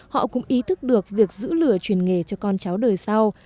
họ cũng ý thức được việc giữ lửa truyền nghề cho con cháu đời sau